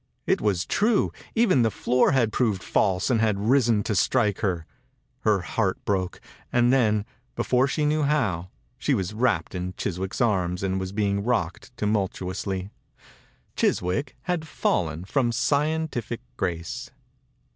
It was true !, Even the floor had proved false and had risen to strike her. Her heart broke, and then, be fore she knew how, she was wrapped in Chiswick's arms and 93 THE INCUBATOR BABY was being rocked tumultuously. Chiswick had fallen from scien tific grace.